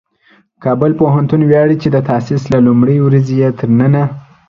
کابل پوهنتون ویاړي چې د تاسیس له لومړۍ ورځې یې تر ننه